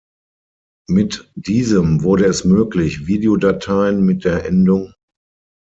Mit diesem wurde es möglich Videodateien mit der Endung.